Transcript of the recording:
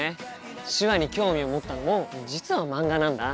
手話に興味を持ったのも実は漫画なんだ。